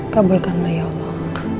kabarkanlah ya allah